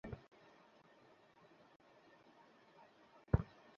আমার রুপসী তোমায় গালি দিয়েছে?